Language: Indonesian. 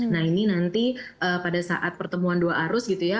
nah ini nanti pada saat pertemuan dua arus gitu ya